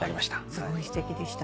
すごいすてきでした。